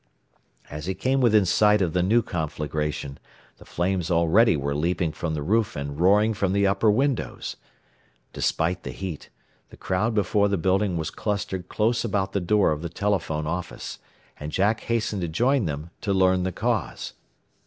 As he came within sight of the new conflagration the flames already were leaping from the roof and roaring from the upper windows. Despite the heat, the crowd before the building was clustered close about the door of the telephone office, and Jack hastened to join them, to learn the cause.